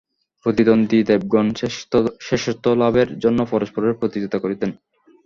প্রতিদ্বন্দ্বী দেবগণ শ্রেষ্ঠত্বলাভের জন্য পরস্পরের প্রতিযোগিতা করিতেন।